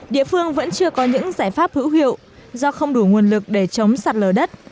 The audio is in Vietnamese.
địa phương vẫn chưa có những giải pháp hữu hiệu do không đủ nguồn lực để chống sạt lở đất